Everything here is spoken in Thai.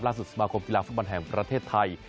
สมาคมกีฬาฟุตบอลแห่งประเทศไทย